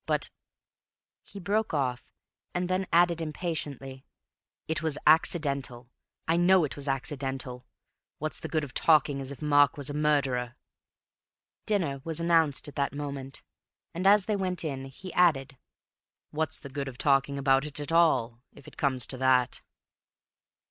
But—" He broke off, and then added impatiently, "It was accidental. I know it was accidental. What's the good of talking as if Mark was a murderer?" Dinner was announced at that moment, and as they went in, he added, "What's the good of talking about it at all, if it comes to that?"